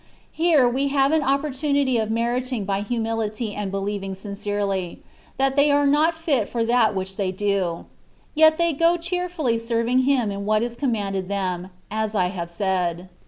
Here we have an opportunity of meriting by humility and believing sincerely — ^that they are not even fit for that which they do ; yet they go cheerfully serving Him in what is commanded them, as I have said.